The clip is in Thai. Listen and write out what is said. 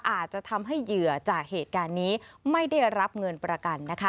อาจจะทำให้เหยื่อจากเหตุการณ์นี้ไม่ได้รับเงินประกันนะคะ